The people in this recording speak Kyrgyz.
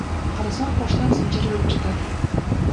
Карасам кошунам Санжар өлүп жатат.